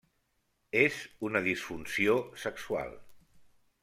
És una disfunció sexual.